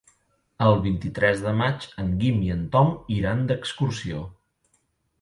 El vint-i-tres de maig en Guim i en Tom iran d'excursió.